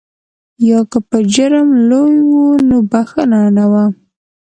یا که به جرم لوی و نو بخښنه نه وه.